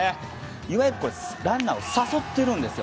いわゆるランナーを誘ってるんですよ。